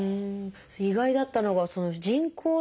意外だったのが人工のね